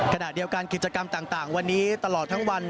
ขณะเดียวกันกิจกรรมต่างวันนี้ตลอดทั้งวัน